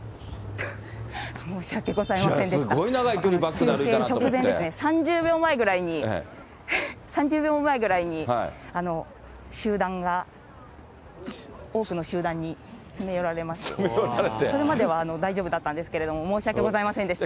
いや、すごい長い距離、直前ですね、３０秒前ぐらいに集団が、多くの集団に詰め寄られまして、それまでは大丈夫だったんですけども、申し訳ございませんでした。